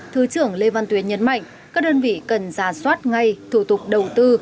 thứ trưởng lê văn tuyến nhấn mạnh các đơn vị cần giả soát ngay thủ tục đầu tư